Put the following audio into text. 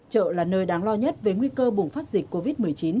chợ là nơi đáng lo nhất về nguy cơ bùng phát dịch covid một mươi chín